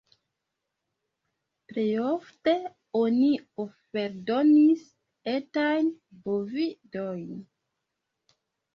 Plejofte oni oferdonis etajn bovidojn.